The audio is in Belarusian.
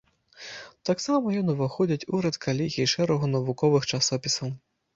Таксама ён уваходзіць у рэдкалегіі шэрагу навуковых часопісаў.